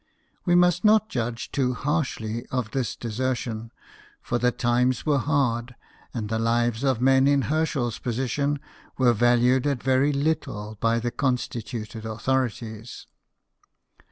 We must not judge too harshly of this desertion, for the times were hard, and the lives of men in Herschel's position were valued at very little by the constituted authorities.